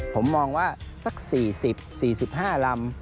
ผมมองว่าสัก๔๐๔๕ลำ